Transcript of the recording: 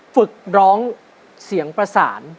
ฝึกร้องเสียงประสาน